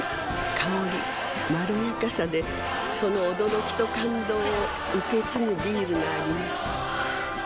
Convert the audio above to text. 香りまろやかさでその驚きと感動を受け継ぐビールがあります